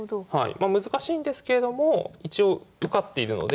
まあ難しいんですけれども一応受かっているので。